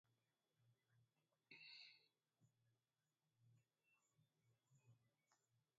inatumia vituo vya siri vinavyojulikana kama nyumba salama